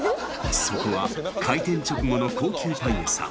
そこは開店直後の高級パン屋さん